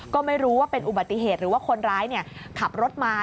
ก็ไม่รู้ว่าเป็นอุบัติเหตุหรือว่าคนร้ายขับรถมา